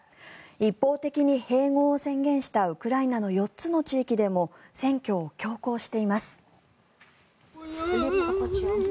一方的に併合を宣言したウクライナの４つの地域でも選挙を強行しています。